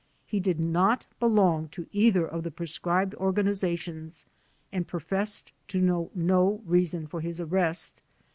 He did not belong to either of the proscribed organizations and professed to know no reason for his arrest.